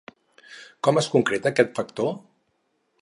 Com es concreta aquest factor?